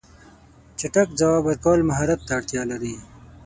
چټک ځواب ورکول مهارت ته اړتیا لري.